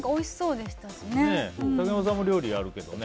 竹山さんも料理やるけどね。